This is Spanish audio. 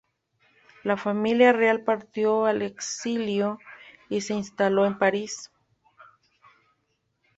La familia real partió al exilio y se instaló en París.